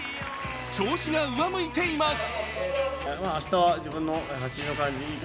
調子が上向いています。